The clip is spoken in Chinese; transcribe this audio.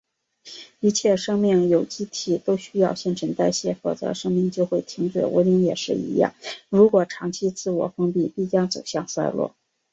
一切生命有机体都需要新陈代谢，否则生命就会停止。文明也是一样，如果长期自我封闭，必将走向衰落。